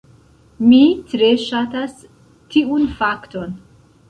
Mi tre ŝatas tiun fakton.